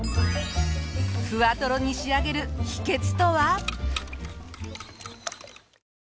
ふわトロに仕上げる秘訣とは？